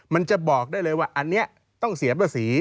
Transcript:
มันจะบอกได้เลยว่าอันนี้ต้องเสียภาษี